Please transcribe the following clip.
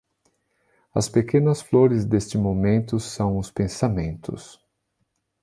As pequenas flores deste momento são os pensamentos.